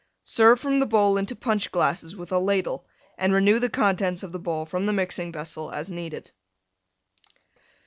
Serve from the bowl into Punch glasses with a Ladle, and renew the contents of the bowl from the mixing vessel as needed.